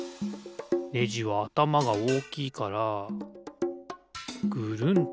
ネジはあたまがおおきいからぐるんとなる。